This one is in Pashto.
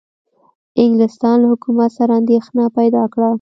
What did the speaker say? انګلستان له حکومت سره اندېښنه پیدا کړه.